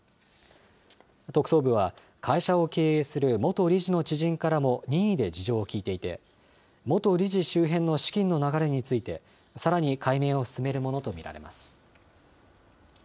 特捜部は、会社を経営する元理事の知人からも任意で事情を聴いていて、元理事周辺の資金の流れについて、さらに解明を進めるものと見られます。